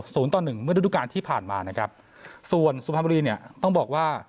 สูงตอนหนึ่งเมื่อฤดูการณ์ที่ผ่านมาส่วนสุพระบรีเนี่ยต้องบอกว่า